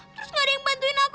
terus gak ada yang bantuin aku